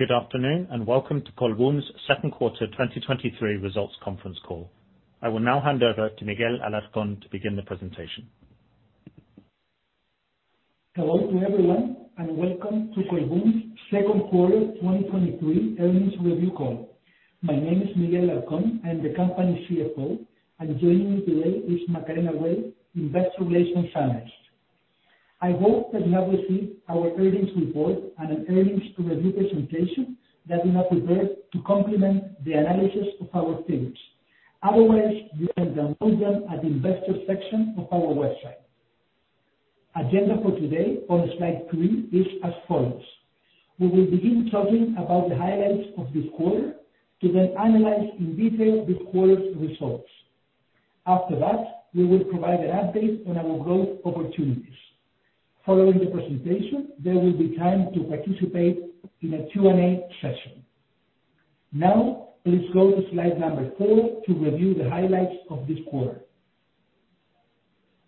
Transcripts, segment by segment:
Good afternoon, welcome to Colbún's second quarter 2023 results conference call. I will now hand over to Miguel Alarcón to begin the presentation. Hello to everyone, and welcome to Colbún's second quarter 2023 earnings review call. My name is Miguel Alarcón. I'm the company's CFO, and joining me today is Macarena Ruidíaz, Investor Relations Analyst. I hope that you have received our earnings report and an earnings review presentation that we have prepared to complement the analysis of our figures. Otherwise, you can download them at the investor section of our website. Agenda for today, on slide 3, is as follows: We will begin talking about the highlights of this quarter, to then analyze in detail this quarter's results. After that, we will provide an update on our growth opportunities. Following the presentation, there will be time to participate in a Q&A session. Now, please go to slide 4 to review the highlights of this quarter.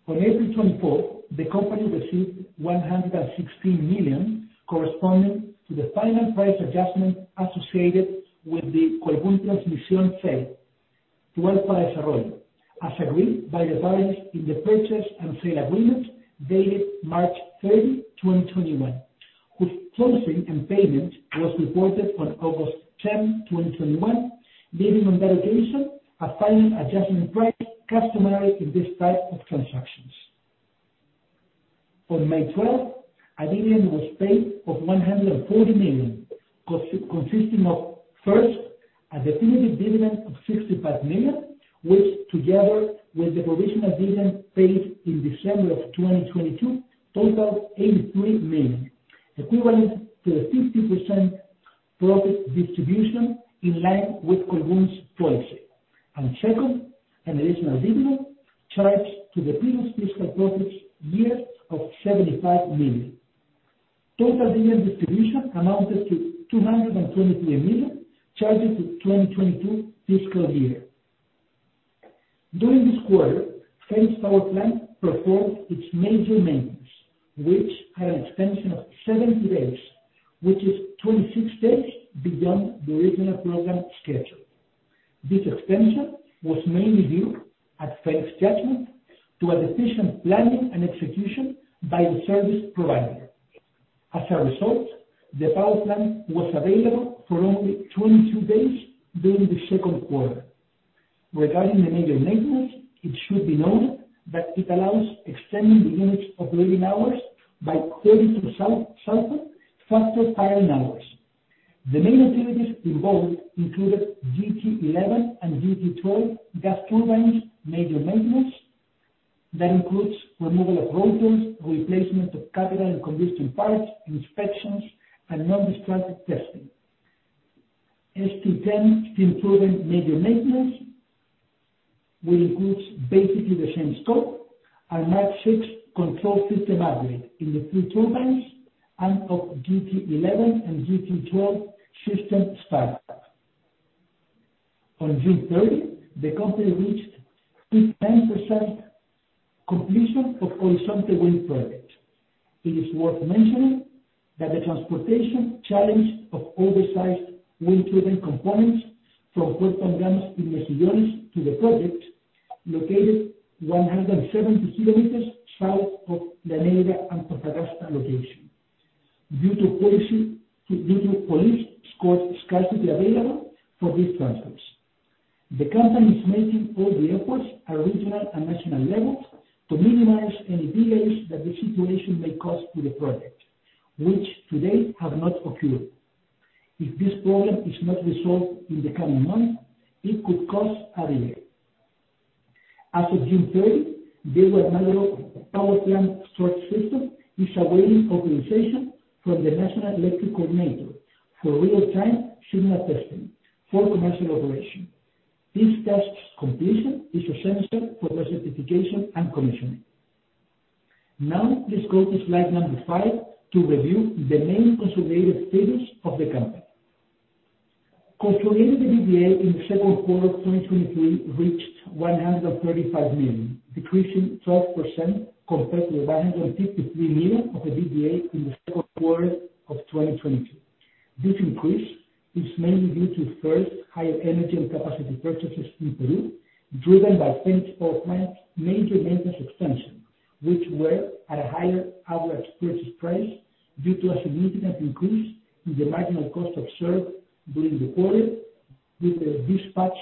On April 24th, the company received $116 million, corresponding to the final price adjustment associated with the Colbún Transmisión sale to Alfa Desarrollo, as agreed by the parties in the purchase and sale agreement dated March 30, 2021, with closing and payment was reported on August 10th, 2021, leaving on dedication, a final adjustment price customary in this type of transactions. On May 12th, a dividend was paid of $140 million, consisting of, first, a definitive dividend of $65 million, which together with the provisional dividend paid in December 2022, totaled $83 million, equivalent to a 50% profit distribution in line with Colbún's policy. Second, an additional dividend charged to the previous fiscal profits year of $75 million. Total dividend distribution amounted to $223 million, charged to 2022 fiscal year. During this quarter, Fenix Power Plant performed its major maintenance, which had an extension of 70 days, which is 26 days beyond the original program schedule. This extension was mainly due, at face judgment, to a deficient planning and execution by the service provider. As a result, the power plant was available for only 22 days during the second quarter. Regarding the major maintenance, it should be noted that it allows extending the units operating hours by 40 to sulfur, faster firing hours. The main activities involved included GT11 and GT12 gas turbines, major maintenance. That includes removal of rotors, replacement of capital and combustion parts, inspections, and non-destructive testing. As to ten, the improvement major maintenance, which includes basically the same scope, and Mark VI control system upgrade in the three turbines and of GT11 and GT12 system startup. On June 30, the company reached its emphasized completion of Horizonte Wind Farm. It is worth mentioning that the transportation challenge of oversized wind turbine components from Puerto Montt in Los Ríos to the project, located 170 km south of La Negra and Punta Grande location, due to police scarcity available for these transfers. The company is making all the efforts at regional and national levels to minimize any delays that the situation may cause to the project, which to date have not occurred. If this problem is not resolved in the coming months, it could cause a delay. As of June 30, BESS Diego de Almagro Sur storage system is awaiting authorization from the Coordinador Eléctrico Nacional for real-time signal testing for commercial operation. This test's completion is essential for the certification and commissioning. Now, let's go to slide 5 to review the main consolidated status of the company. Consolidated EBITDA in the second quarter of 2023 reached $135 million, decreasing 12% compared to the $153 million of EBITDA in the second quarter of 2022. This increase is mainly due to, first, higher energy and capacity purchases in Peru, driven by French Power Plant's major maintenance extension, which were at a higher average purchase price due to a significant increase in the marginal cost of serve during the quarter, with the dispatch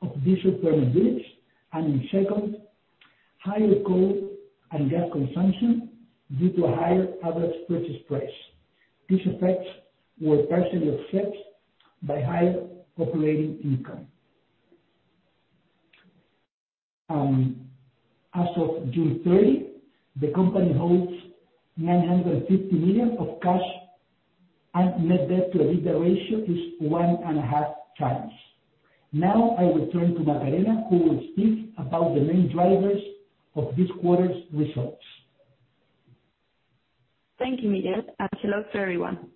of additional permanent bids. And in second, higher coal and gas consumption due to a higher average purchase price. These effects were partially offset by higher operating income. As of June 30, the company holds $950 million of cash, and net debt to EBITDA ratio is 1.5 times. Now, I will turn to Macarena, who will speak about the main drivers of this quarter's results. Thank you, Miguel, and hello to everyone.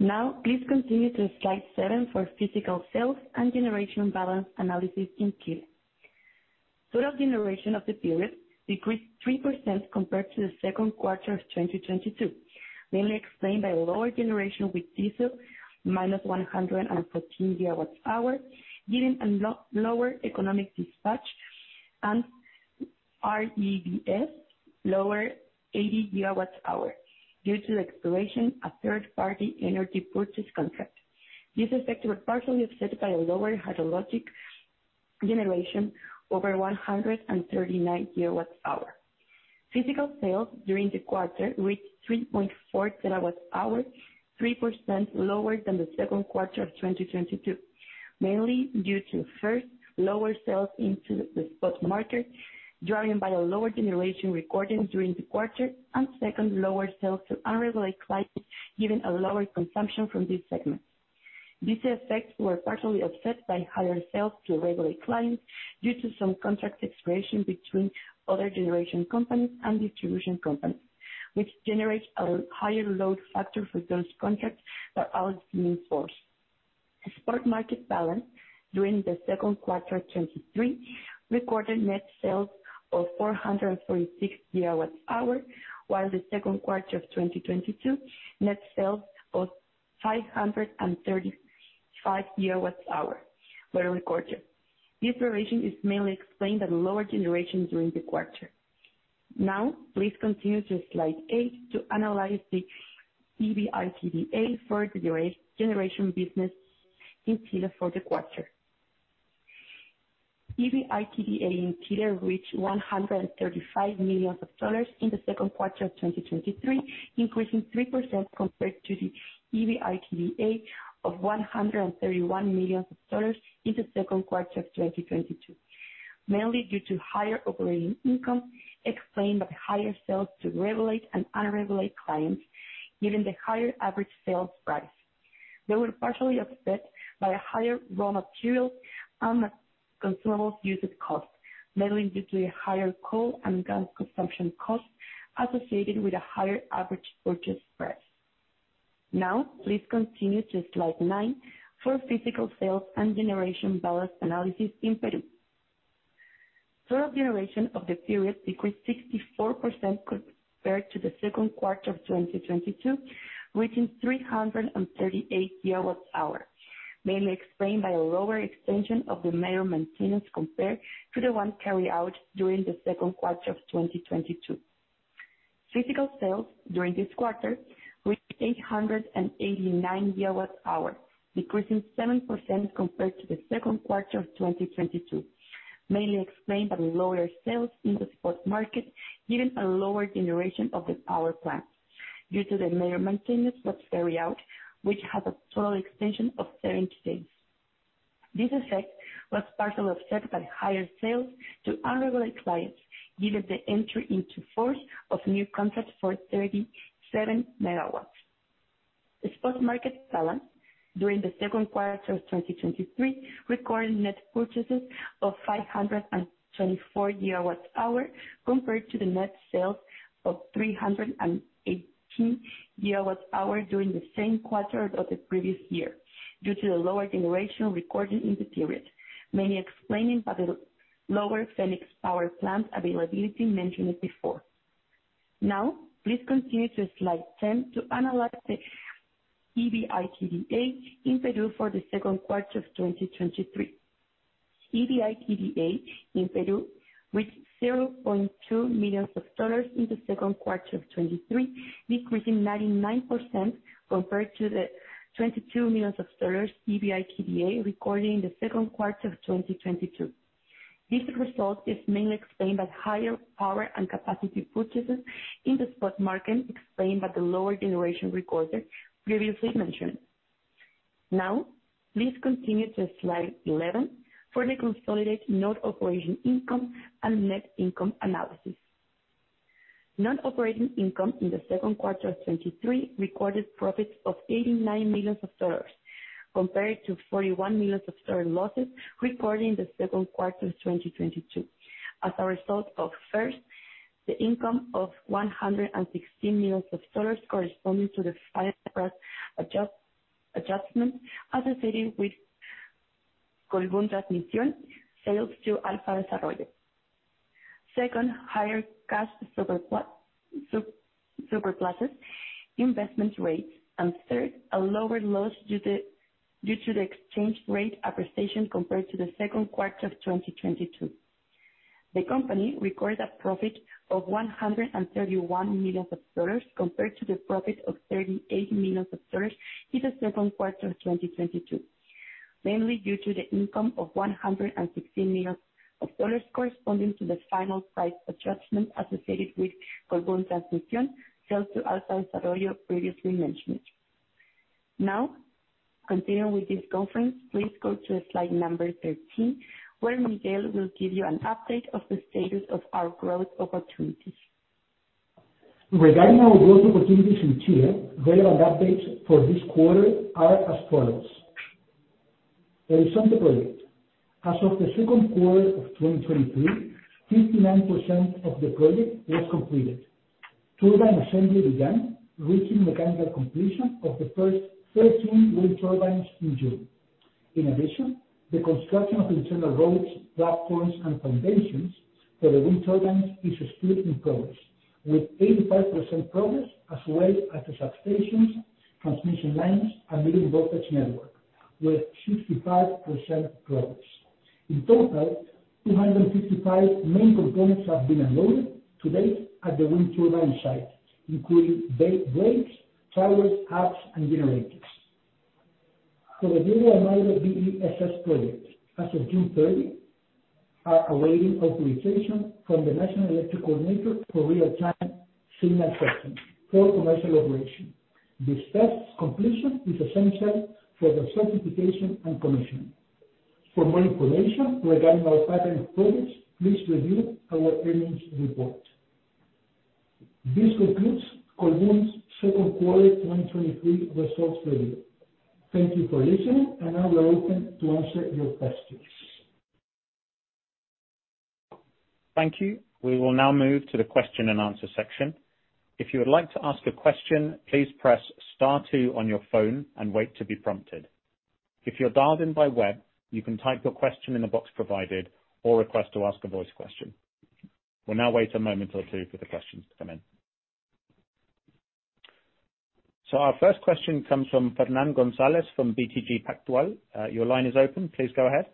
Now, please continue to slide 7 for physical sales and generation balance analysis in Chile. Total generation of the period decreased 3% compared to the second quarter of 2022, mainly explained by lower generation with diesel, minus 114 GWh, given a lower economic dispatch, and REBS, lower 80 GWh, due to the expiration of third party energy purchase contract. This effect was partially offset by a lower hydrologic generation, over 139 GWh. Physical sales during the quarter reached 3.4 TWh, 3% lower than the second quarter of 2022, mainly due to, first, lower sales into the spot market, driven by a lower generation recorded during the quarter, and second, lower sales to unregulated clients, given a lower consumption from this segment. These effects were partially offset by higher sales to regulated clients, due to some contract expiration between other generation companies and distribution companies, which generates a higher load factor for those contracts that are in force. The spot market balance during the second quarter of 2023 recorded net sales of 446 GWh, while the second quarter of 2022, net sales of 535 GWh were recorded. This variation is mainly explained at lower generation during the quarter. Now, please continue to slide 8 to analyze the EBITDA for the generation business in Chile for the quarter. EBITDA in Chile reached $135 million in the second quarter of 2023, increasing 3% compared to the EBITDA of $131 million in the second quarter of 2022. Mainly due to higher operating income, explained by higher sales to regulated and unregulated clients, given the higher average sales price. They were partially offset by a higher raw materials and consumables usage cost, mainly due to a higher coal and gas consumption cost associated with a higher average purchase price. Please continue to slide nine for physical sales and generation balance analysis in Peru. Total generation of the period decreased 64% compared to the second quarter of 2022, reaching 338 gigawatts hour, mainly explained by a lower extension of the major maintenance compared to the one carried out during the second quarter of 2022. Physical sales during this quarter reached 889 GWh, decreasing 7% compared to the second quarter of 2022, mainly explained by lower sales in the spot market, given a lower generation of the power plant, due to the major maintenance was carried out, which has a total extension of 30 days. This effect was partially offset by higher sales to unregulated clients, given the entry into force of new contracts for 37 MW. The spot market balance during the second quarter of 2023, recorded net purchases of 524 GWh, compared to the net sales of 318 GWh during the same quarter of the previous year, due to the lower generation recorded in the period, mainly explaining by the lower Fenix Power Plant availability mentioned before. Please continue to slide 10 to analyze the EBITDA in Peru for the 2Q 2023. EBITDA in Peru reached $0.2 million in the 2Q 2023, decreasing 99% compared to the $22 million EBITDA recorded in the 2Q 2022. This result is mainly explained by higher power and capacity purchases in the spot market, explained by the lower generation recorded previously mentioned. Please continue to slide 11 for the consolidated non-operating income and net income analysis. Non-operating income in the 2Q 2023 recorded profits of $89 million, compared to $41 million losses recorded in the 2Q 2022. As a result of, first, the income of $116 million corresponding to the final adjustment associated with Colbún Transmisión sales to Alfa Desarrollo. Second, higher cash surpluses investment rate. Third, a lower loss due to the exchange rate appreciation compared to the second quarter of 2022. The company recorded a profit of $131 million, compared to the profit of $38 million in the second quarter of 2022, mainly due to the income of $116 million corresponding to the final price adjustment associated with Colbún Transmisión sales to Alfa Desarrollo previously mentioned. Now, continuing with this conference, please go to slide 13, where Miguel will give you an update of the status of our growth opportunities. Regarding our growth opportunities in Chile, relevant updates for this quarter are as follows: The El Soto project. As of the second quarter of 2023, 59% of the project was completed. turbine assembly began, reaching mechanical completion of the first 13 wind turbines in June. The construction of internal roads, platforms, and foundations for the wind turbines is still in progress, with 85% progress, as well as the substations, transmission lines, and medium voltage network, with 65% progress. 255 main components have been unloaded to date at the wind turbine site, including blades, towers, hubs, and generators. For the Diego de Almagro BESS project, as of June 30, are awaiting authorization from the Coordinador Eléctrico Nacional for real-time signal testing for commercial operation. This test's completion is essential for the certification and commissioning. For more information regarding our pipeline of projects, please review our earnings report. This concludes Colbún's second quarter, 2023 results review. Thank you for listening. Now we are open to answer your questions. Thank you. We will now move to the question and answer section. If you would like to ask a question, please press star two on your phone and wait to be prompted. If you're dialed in by web, you can type your question in the box provided or request to ask a voice question. We'll now wait a moment or two for the questions to come in. Our first question comes from Fernán González from BTG Pactual. Your line is open. Please go ahead.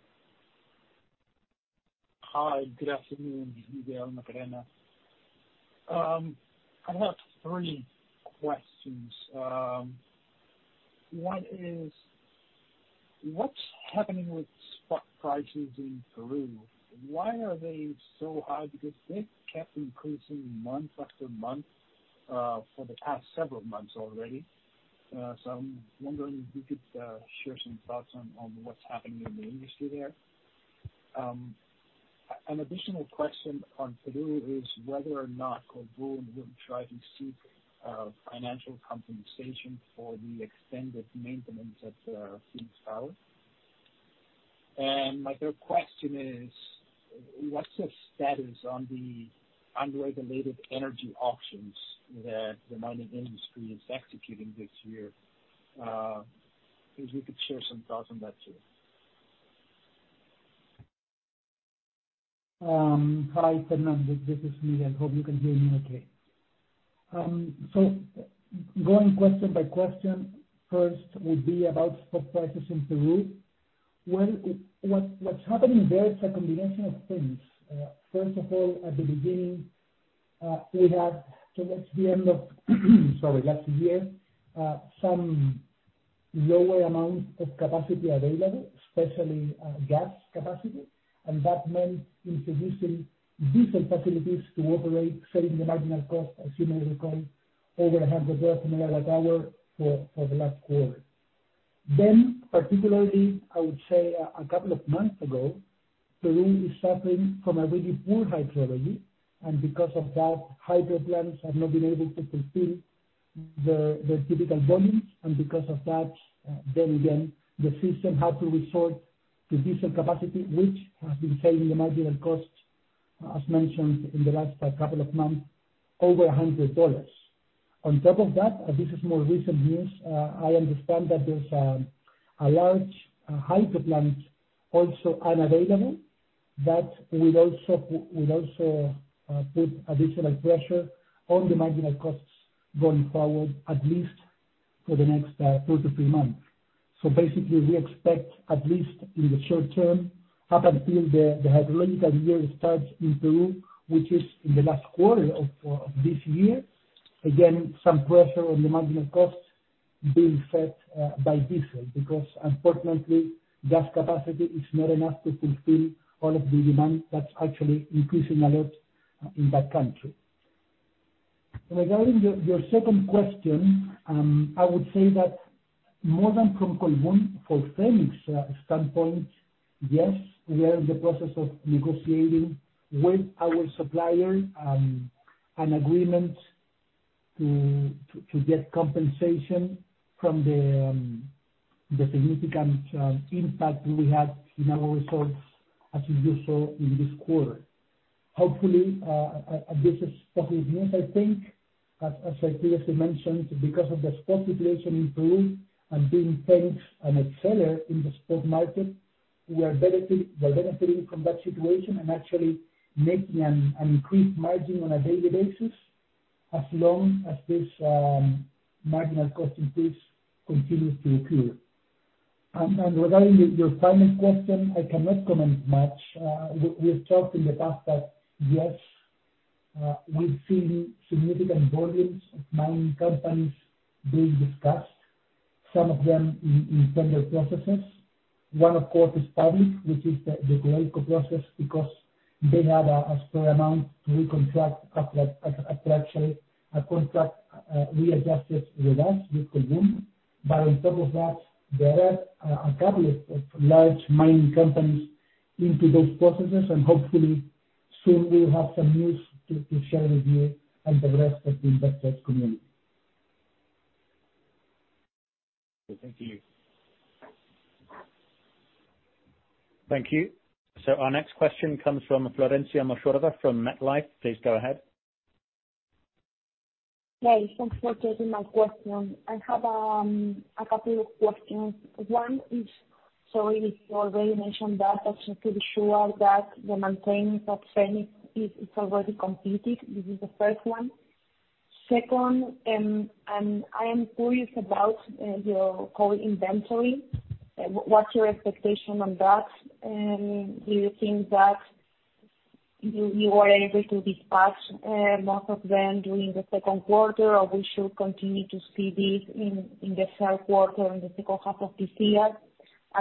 Hi, good afternoon, Miguel and Macarena. I have three questions. One is, what's happening with spot prices in Peru? Why are they so high? Because they've kept increasing month after month, for the past several months already. I'm wondering if you could share some thoughts on, on what's happening in the industry there. An additional question on Peru is whether or not Colbún will try to seek financial compensation for the extended maintenance at Fénix Power. My third question is, what's the status on the unregulated energy auctions that the mining industry is executing this year? If you could share some thoughts on that, too. Hi, Fernán, this, this is Miguel. Hope you can hear me okay. Going question by question, first would be about spot prices in Peru. Well, what, what's happening there is a combination of things. First of all, at the beginning, we had towards the end of, sorry, last year, some lower amounts of capacity available, especially, gas capacity. That meant introducing diesel facilities to operate, setting the marginal cost, as you may recall, over 100 per milliwatt hour for, for the last quarter. Particularly, I would say a, a couple of months ago, Peru is suffering from a really poor hydrology, and because of that, hydro plants have not been able to fulfill the, the typical volumes. Because of that, then again, the system had to resort to diesel capacity, which has been saving the marginal costs, as mentioned in the last couple of months, over $100. On top of that, this is more recent news, I understand that there's a large hydro plant also unavailable that will also, will also put additional pressure on the marginal costs going forward, at least for the next two to three months. Basically, we expect, at least in the short term, up until the hydrological year starts in Peru, which is in the last quarter of this year, again, some pressure on the marginal costs being set by diesel because unfortunately, gas capacity is not enough to fulfill all of the demand that's actually increasing a lot in that country. Regarding your, your second question, I would say that more than from Colbún, from Fénix standpoint, yes, we are in the process of negotiating with our supplier, an agreement to get compensation from the significant impact we had in our results, as you just saw in this quarter. Hopefully, this is positive news, I think. As I previously mentioned, because of the spot situation in Peru and being Fénix an accelerator in the spot market, we are benefiting from that situation and actually making an increased margin on a daily basis as long as this marginal cost increase continues to occur. Regarding your, your final question, I cannot comment much. We've talked in the past that, yes, we've seen significant volumes of mining companies being discussed, some of them in, in tender processes. One, of course, is public, which is the, the Codelco process, because they have a, a spare amount to recontract after a, after actually a contract, readjusted with us, with Colbún. On top of that, there are a, a couple of, of large mining companies into those processes, and hopefully soon we'll have some news to, to share with you and the rest of the investor community. Thank you. Thank you. Our next question comes from Florencia Morosera from MetLife, please go ahead. Hey, thanks for taking my question. I have a couple of questions. One is, sorry if you already mentioned that, but just to be sure that the maintenance at Fénix is already completed. This is the first one. Second, I am curious about your whole inventory. What's your expectation on that? Do you think that you are able to dispatch most of them during the second quarter, or we should continue to see this in the third quarter, in the second half of this year?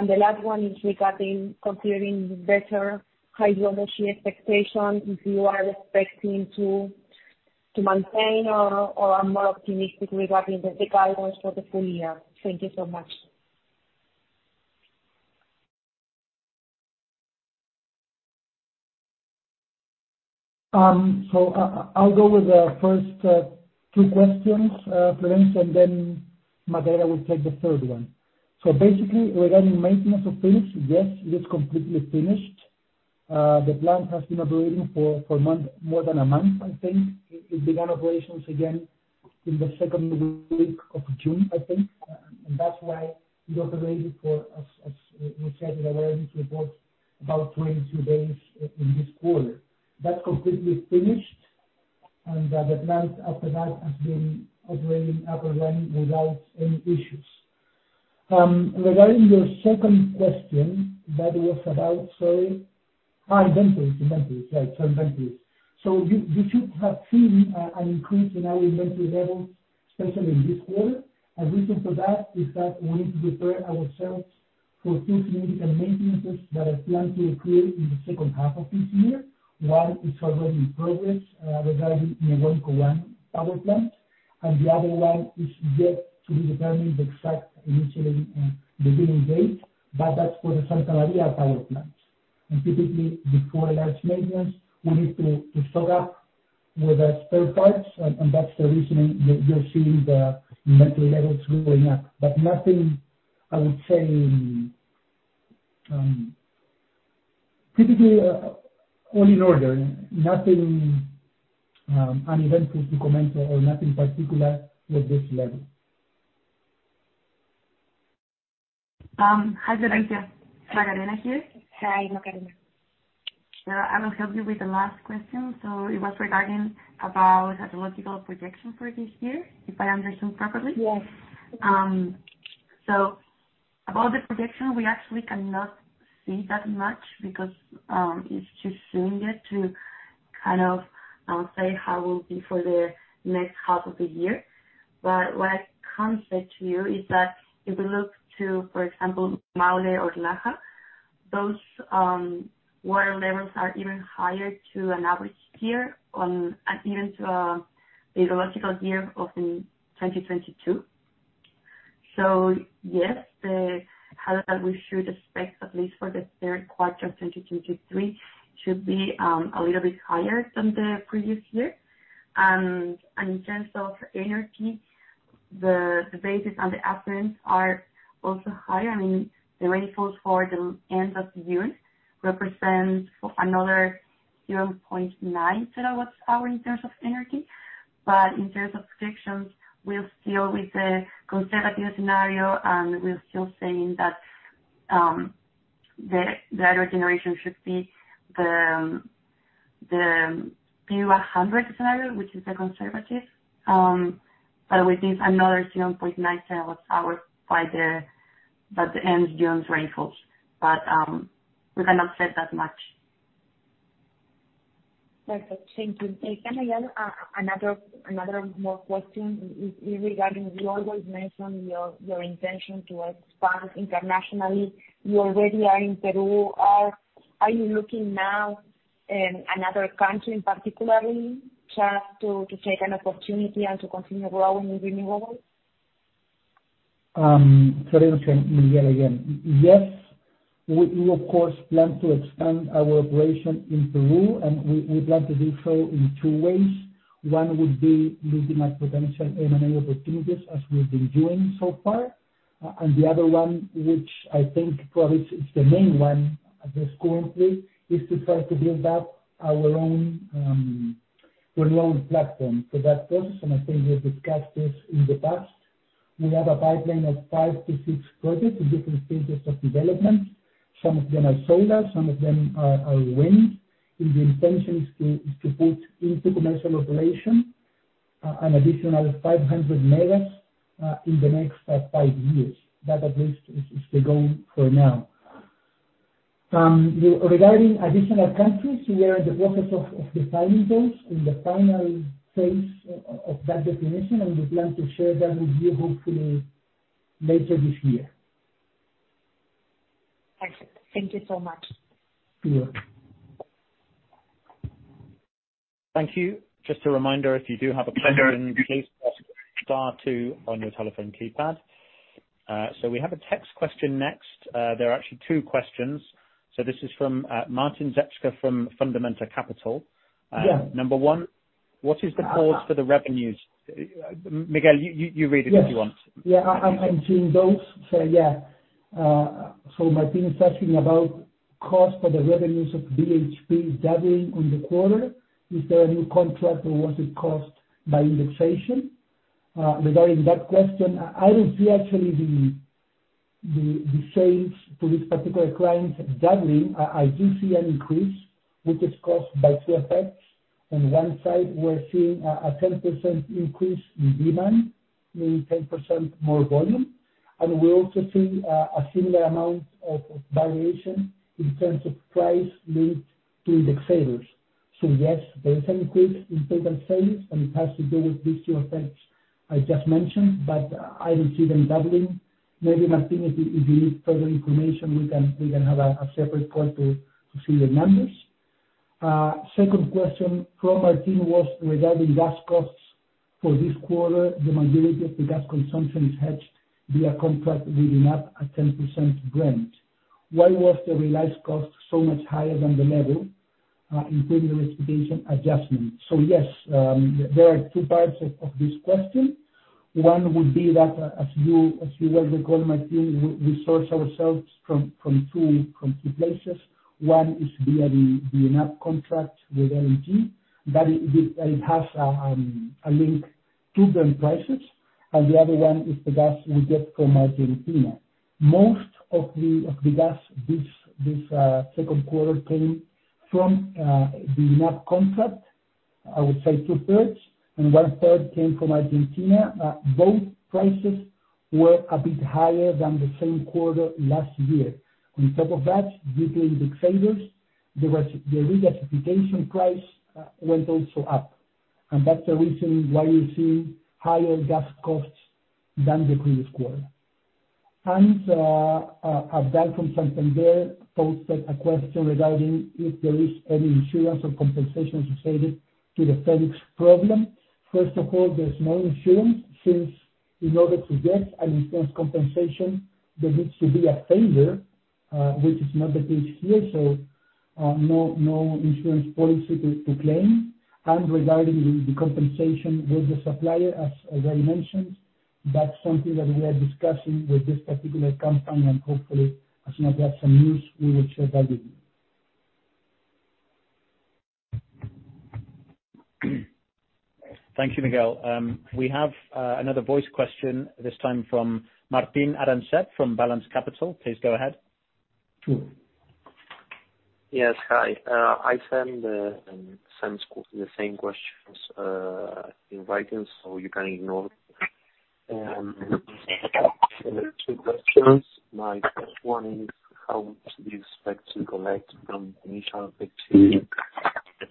The last one is regarding considering better hydrology expectation, if you are expecting to maintain or are more optimistic regarding the guidance for the full year. Thank you so much. I'll go with the first, 2 questions, Florence, then Magdalena will take the third one. Basically, regarding maintenance of Fénix, yes, it is completely finished. The plant has been operating for, for a month, more than a month, I think. It began operations again in the 2nd week of June, I think. That's why it operated for, as, as we said in our earnings report, about 22 days in this quarter. That's completely finished, and the plant after that has been operating up and running without any issues. Regarding your 2nd question, that was about, sorry, inventory, inventory, right, inventory. You should have seen an increase in our inventory levels, especially in this quarter. Reason for that, is that we need to prepare ourselves for 2 critical maintenances that are planned to occur in the second half of this year. One is already in progress, regarding Nehuenco I power plant. The other one is yet to be determined, the exact initially, the beginning date, but that's for the Santa Maria power plant. Typically, before a large maintenance, we need to, to stock up with the spare parts, and that's the reason you're, you're seeing the inventory levels going up. Nothing, I would say. Typically, all in order, nothing uneventful to comment or nothing particular with this level. Hi. Magdalena here. Hi, Magdalena. I will help you with the last question. It was regarding about hydrological projection for this year, if I understand properly? Yes. About the projection, we actually cannot say that much because it's too soon yet to kind of say how it will be for the next half of the year. What I can say to you is that if we look to, for example, Maule or Laja, those water levels are even higher to an average year on, even to the hydrological year of in 2022. Yes, the, how that we should expect, at least for the third quarter of 2023, should be a little bit higher than the previous year. In terms of energy, the, the bases and the operands are also higher. I mean, the rainfalls for the end of the year represent another 0.9 terawatts hour in terms of energy. In terms of projections, we're still with the conservative scenario, and we're still saying that, the, the generation should be the, the PU inaudible hundred scenario, which is the conservative. With this another 0.9 terawatt-hour by the, by the end June rainfalls. We cannot say that much. Perfect. Thank you. Can I add, another, another more question, regarding you always mention your, your intention to expand internationally. You already are in Peru. Are you looking now in another country, particularly, just to, to take an opportunity and to continue growing with renewables? Florencia, Miguel again. Yes, we, we of course plan to expand our operation in Peru. We, we plan to do so in 2 ways. One would be looking at potential M&A opportunities, as we've been doing so far. The other one, which I think probably is the main one at least currently, is to try to build up our own renewable platform for that purpose. I think we have discussed this in the past. We have a pipeline of 5 to 6 projects in different stages of development. Some of them are solar, some of them are wind. The intention is to put into commercial operation an additional 500 megawatts in the next 5 years. That at least is the goal for now. Regarding additional countries, we are in the process of defining those, in the final phase of that definition, and we plan to share that with you, hopefully later this year. Excellent. Thank you so much. You're welcome. Thank you. Just a reminder, if you do have a question, please press star two on your telephone keypad. We have a text question next. There are actually two questions. This is from, Martín León del Fierro, from Fondos de Inversión Fynsa. Yeah. Number 1. What is the cause for the revenues? Miguel, you, you, you read it if you want. Yes. I, I'm seeing those. Martín is asking about cost of the revenues of BHP is doubling on the quarter. Is there a new contract or was it caused by indexation? Regarding that question, I, I don't see actually the sales to this particular client doubling. I, I do see an increase, which is caused by two effects. On one side, we're seeing a 10% increase in demand, meaning 10% more volume, and we're also seeing a similar amount of variation in terms of price linked to indexer fluctuations. Yes, there is an increase in total sales, and it has to do with these two effects I just mentioned, but I don't see them doubling. Maybe Martín, if you, if you need further information, we can, we can have a separate call to see the numbers. Second question from Martín was regarding gas costs for this quarter. The majority of the gas consumption is hedged via a contract with ENAP at 10% grant. Why was the realized cost so much higher than the level, including the expectation adjustment? Yes, there are two parts of this question. One would be that, as you, as you well recall, Martín, we, we source ourselves from, from two, from two places. One is via the ENAP contract with LNG, but it, it, it has a link to current prices, and the other one is the gas we get from Argentina. Most of the, of the gas, this, this, second quarter came from the ENAP contract, I would say two-thirds and one-third came from Argentina. Both prices were a bit higher than the same quarter last year. On top of that, due to indexer fluctuations, there was -- the regasification price went also up, and that's the reason why you're seeing higher gas costs than the previous quarter. A guy from Santander posted a question regarding if there is any insurance or compensation associated to the Fénix problem. First of all, there's no insurance since in order to get an insurance compensation, there needs to be a failure, which is not the case here, so no, no insurance policy to, to claim. Regarding the, the compensation with the supplier, as I already mentioned, that's something that we are discussing with this particular company, and hopefully, as soon as we have some news, we will share that with you. Thank you, Miguel. We have another voice question, this time from Martín Arancet from Balanz Capital. Please go ahead. Mm. Yes. Hi, I send same, the same questions in writing, so you can ignore. 2 questions. My first one is, how much do you expect to collect from initial activity?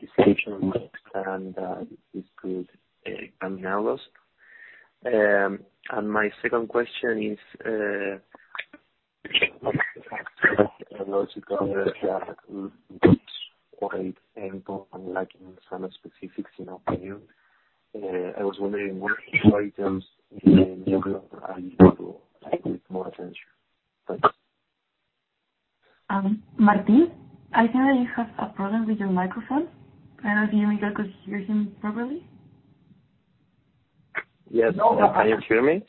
This could come now loss. My second question is, like, in some specifics, in our opinion, I was wondering what items in more attention? Thanks. Martín, I think that you have a problem with your microphone. I don't think Miguel could hear him properly. Yes. Can you hear me?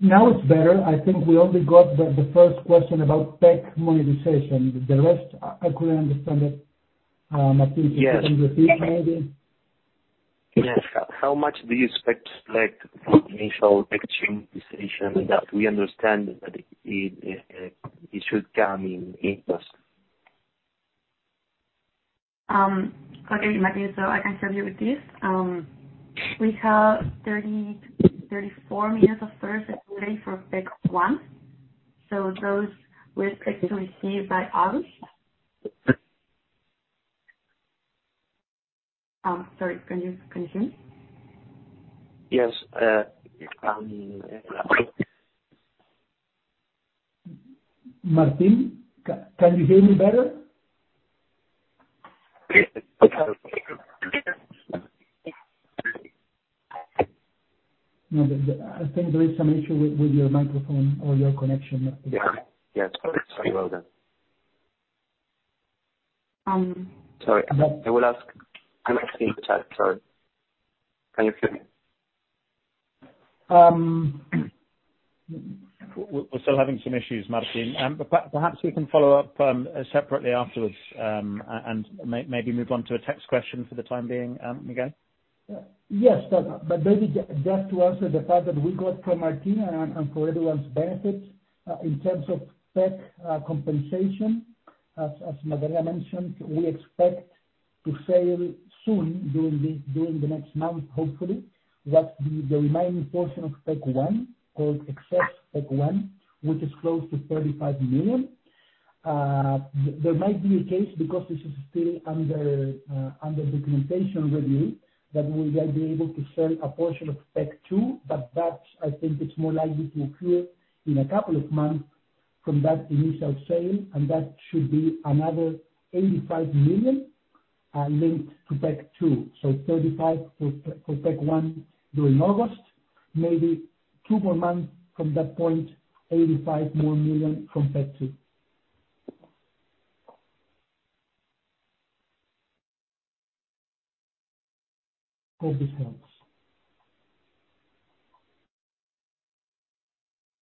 Now it's better. I think we only got the, the first question about PEC monetization. The rest, I couldn't understand it. Martín. Yes. Could you repeat maybe? Yes. How much do you expect, like, initial exchange decision that we understand that it should come in interest? Okay, Martín, so I can help you with this. We have 34 meters of storage available for PEC I, so those will expect to receive by August. Sorry, can you, can you hear me? Yes. Martín, can you hear me better? No, I think there is some issue with, with your microphone or your connection. Yeah. Yes, very well then. Um- Sorry, I will ask. I'm asking in the chat, sorry. Can you hear me? Um, We're still having some issues, Martín. Perhaps we can follow up separately afterwards, and maybe move on to a text question for the time being, Miguel? Yes, but maybe just to answer the part that we got from Martín Arancet and for everyone's benefit, in terms of PEC compensation, as Natalia mentioned, we expect to sell soon, during the next month, hopefully, what the remaining portion of PEC I, called Excess PEC I, which is close to $35 million. There might be a case because this is still under documentation review, that we will be able to sell a portion of PEC II, but that I think is more likely to occur in a couple of months from that initial sale, and that should be another $85 million linked to PEC II. For $35 million for PEC I during August, maybe 2 more months from that point, $85 million more from PEC II.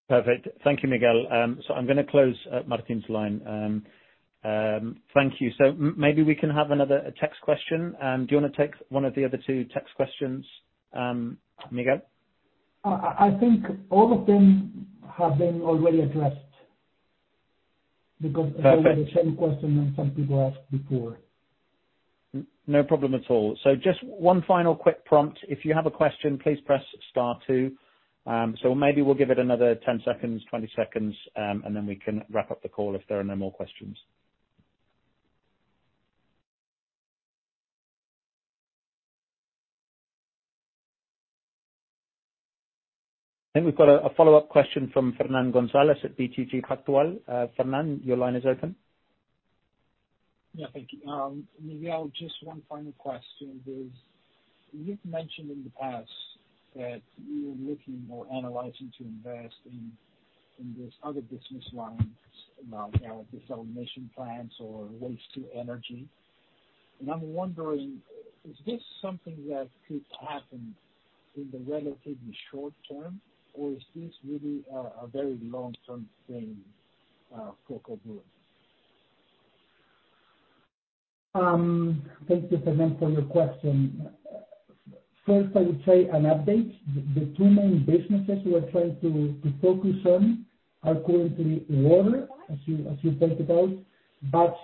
Perfect. Thank you, Miguel. I'm gonna close Martín's line. Thank you. Maybe we can have another text question. Do you wanna take one of the other two text questions, Miguel? I think all of them have been already addressed. Perfect. The same question that some people asked before. Just one final quick prompt, if you have a question, please press star two. Maybe we'll give it another 10 seconds, 20 seconds, and then we can wrap up the call if there are no more questions. I think we've got a, a follow-up question from Fernán González at BTG Pactual. Fernand, your line is open. Yeah, thank you. Miguel, just one final question is, you've mentioned in the past that you were looking or analyzing to invest in, in this other business lines, like desalination plants or waste to energy. I'm wondering, is this something that could happen in the relatively short term, or is this really a very long-term thing for Cobra? thank you, Fernand, for your question. First, I would say an update. The, the two main businesses we are trying to, to focus on are currently water, as you, as you talked about, but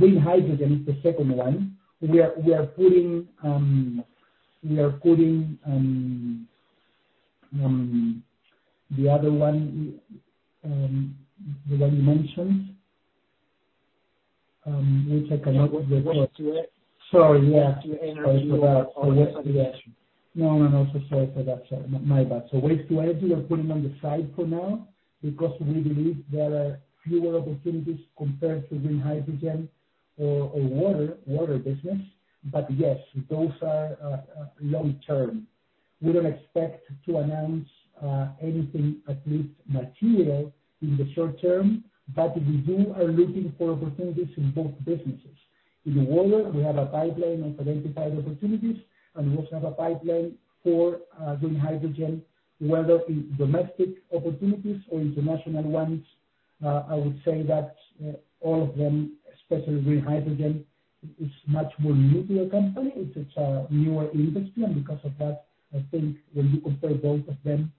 green hydrogen is the second one. We are, we are putting, we are putting. The other one, the one you mentioned, let me check out the Waste to it. Sorry. Yeah. Waste to energy. No, no, no. Sorry for that. My bad. Waste to energy, we're putting on the side for now, because we believe there are fewer opportunities compared to green hydrogen or, or water, water business. Yes, those are long term. We don't expect to announce anything, at least material, in the short term, but we do are looking for opportunities in both businesses. In water, we have a pipeline of identified opportunities, and we also have a pipeline for green hydrogen, whether in domestic opportunities or international ones. I would say that all of them, especially green hydrogen, is much more new to your company. It's a newer industry, because of that, I think when you compare both of them,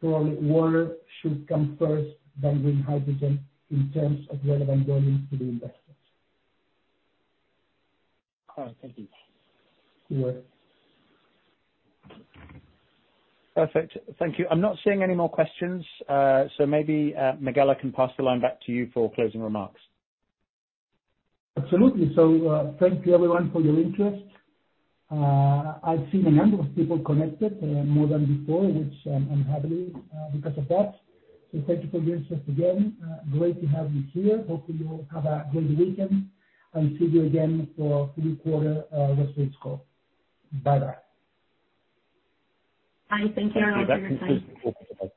probably water should come first than green hydrogen in terms of relevant value to the investors. All right. Thank you. You're welcome. Perfect. Thank you. I'm not seeing any more questions, so maybe Miguel, I can pass the line back to you for closing remarks. Absolutely. Thank you everyone for your interest. I've seen a number of people connected, more than before, which I'm, I'm happy, because of that. Thank you for the interest again. Great to have you here. Hopefully you'll have a great weekend, and see you again for third quarter, results call. Bye-bye. Bye. Thank you.